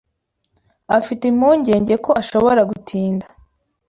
Afite impungenge ko ashobora gutinda.